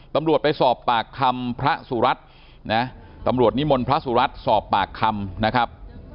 ตำรวจไปสอบปากคำพระสุรัตน์นะตำรวจนิมนต์พระสุรัตน์สอบปากคำนะครับ